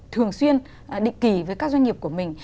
thường xuyên định kỳ với các doanh nghiệp của mình